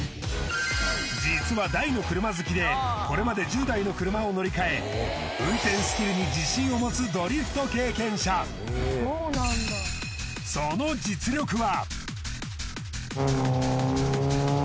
実は大の車好きでこれまで１０台の車を乗り換え運転スキルに自信を持つドリフト経験者その実力は？